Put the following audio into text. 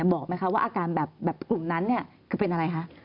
บอกไหมคะว่าอาการแบบกลุ่มนั้นเนี่ยคือเป็นอะไรคะ